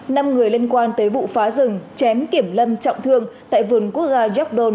năm người liên quan tới vụ phá rừng chém kiểm lâm trọng thương tại vườn quốc gia yoc don